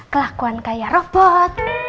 kelakuan kaya robot